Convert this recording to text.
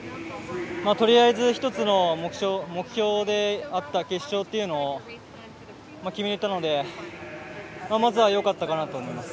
とりあえず１つの目標であった決勝というのを決めれたのでまずは、よかったかなと思います。